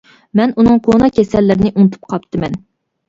مەن ئۇنىڭ كونا كېسەللىرىنى ئۇنتۇپ قاپتىمەن.